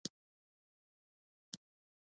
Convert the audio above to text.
ایا زه به ښه شم؟